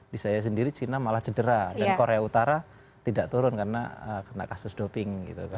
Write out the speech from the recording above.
di saya sendiri cina malah cedera dan korea utara tidak turun karena kena kasus doping